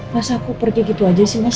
masa aku pergi gitu aja sih mas